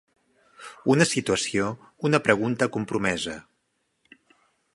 Una situació, una pregunta compromesa.